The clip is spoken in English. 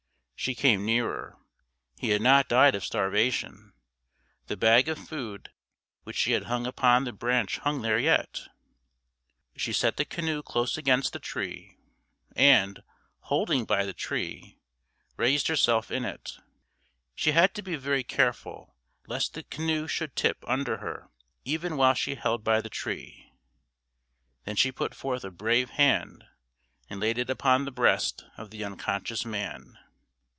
She came nearer. He had not died of starvation; the bag of food which she had hung upon the branch hung there yet. She set the canoe close against the tree, and, holding by the tree, raised herself in it. She had to be very careful lest the canoe should tip under her even while she held by the tree. Then she put forth a brave hand, and laid it upon the breast of the unconscious man.